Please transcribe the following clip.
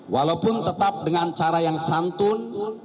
walaupun tetap dengan cara yang santun